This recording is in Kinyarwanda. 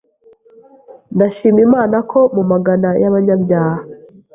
ndashima Imana ko mu Magana y’abanyabyaha